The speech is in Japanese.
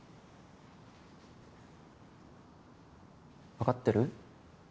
分かってる？